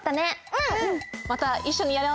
うん！